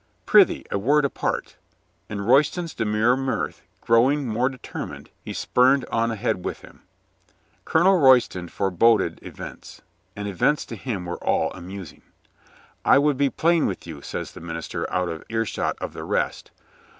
"Prithee, a word apart," and Royston's demure mirth growing more determined, he spurred on ahead with him. Colonel Royston foreboded events, and events to him v/ere all amusing. "I would be plain with you," says the minister, out of earshot of the rest.